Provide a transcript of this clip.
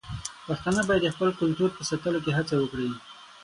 پښتانه بايد د خپل کلتور په ساتلو کې هڅه وکړي.